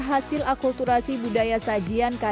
hasil akulturasi budaya sajian